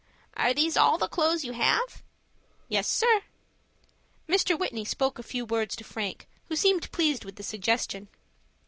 "Are these all the clothes you have?" "Yes, sir." Mr. Whitney spoke a few words to Frank, who seemed pleased with the suggestion.